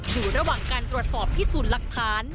อยู่ระหว่างการตรวจสอบที่ศูนย์ลักษณ์